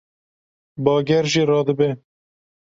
Bager jî radibe